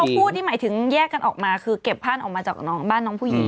พูดนี่หมายถึงแยกกันออกมาคือเก็บผ้านออกมาจากน้องบ้านน้องผู้หญิง